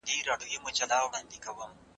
د بېلتون غم د شاعر زړه زبون کړی دی.